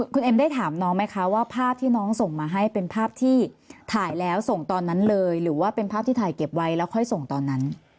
คุณเอ็มได้ถามน้องไหมคะว่าภาพที่น้องส่งมาให้เป็นภาพที่ถ่ายแล้วส่งตอนนั้นเลยหรือว่าเป็นภาพที่ถ่ายเก็บไว้แล้วค่อยส่งตอนนั้น